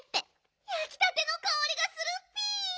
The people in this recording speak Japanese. やきたてのかおりがするッピ！